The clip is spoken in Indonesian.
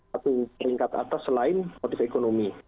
satu peringkat atas selain motif ekonomi